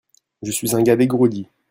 Je suis un gars dégourdi.